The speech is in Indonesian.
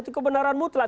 itu kebenaran mutlak